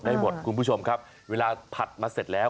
ได้หมดคุณผู้ชมครับเวลาผัดมาเสร็จแล้ว